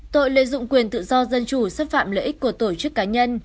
tội lợi dụng quyền tự do dân chủ xâm phạm lợi ích của tổ chức cá nhân